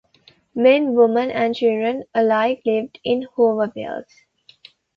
Men, women and children alike lived in Hoovervilles.